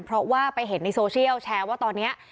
เพราะว่าไปเห็นในโซเชียลแชร์ว่าตอนนี้